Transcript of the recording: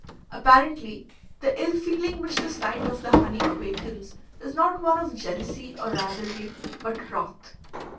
Apparently the ill feeling which the sight of the honey awakens is not one of jealousy or rivalry, but wrath.